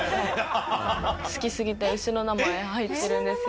好きすぎて牛の名前入ってるんですよ。